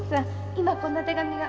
今こんな手紙が。